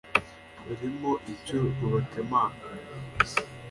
barimo icyo rubakemanga